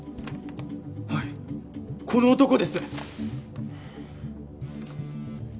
はいこの男です。